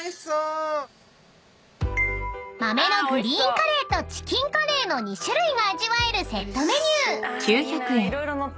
［豆のグリーンカレーとチキンカレーの２種類が味わえるセットメニュー］